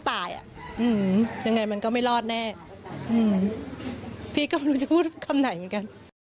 ตายอ่ะอืมยังไงมันก็ไม่รอดแน่อืมพี่ก็ไม่รู้จะพูดคำไหนเหมือนกัน